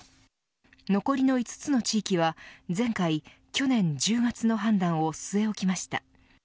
残りの５つの地域は前回、去年１０月の判断を据え置きました。